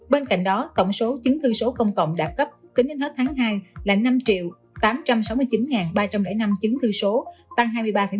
bên cạnh đó tổng số chính thư số công cộng đạt cấp tính đến hết tháng hai là năm tám trăm sáu mươi chín ba trăm linh năm chính thư số tăng hai mươi ba một mươi tám